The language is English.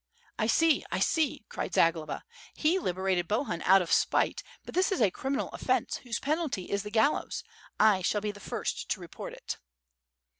'^ "I see, I see!" cried Zagloba. "He liberated Bohun out of spite, but this is a criminal offence, whose penalty is the gallows. I shall be the first to report it."